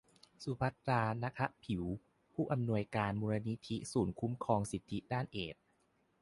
สุภัทรา นาคะผิว ผู้อำนวยการมูลนิธิศูนย์คุ้มครองสิทธิด้านเอดส์